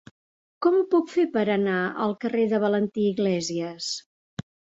Com ho puc fer per anar al carrer de Valentí Iglésias?